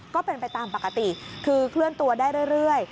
ก็เป็นไปตามปกติคือเคลื่อนตัวได้เรื่อย